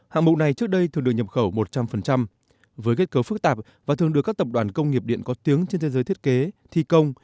hạng mục này trước đây thường được nhập khẩu một trăm linh với kết cấu phức tạp và thường được các tập đoàn công nghiệp điện có tiếng trên thế giới thiết kế thi công